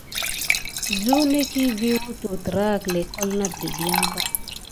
Zunekiy vi wutu terake léklole nata dimpiaka.